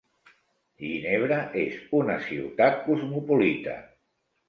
Ginebra és una ciutat cosmopolita.